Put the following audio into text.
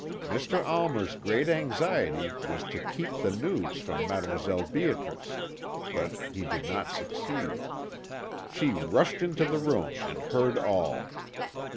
Mr. Almer's great anxiety was to keep the news from Mdlle. Beatrice, but he did not succeed. She rushed into the room and heard all.